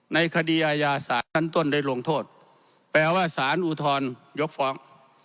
ในคดีอาญาศาสตร์ชั้นต้นได้ลงโทษแปลว่าสารอุทธรยกฟ้อง